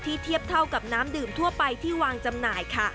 เทียบเท่ากับน้ำดื่มทั่วไปที่วางจำหน่ายค่ะ